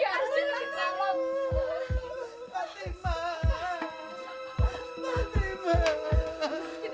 cepet positi bukain